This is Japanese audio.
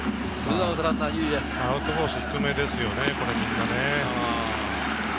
アウトコース、低めですよね。